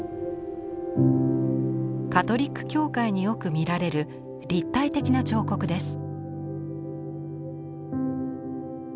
カトリック教会によく見られる立体的な彫刻です。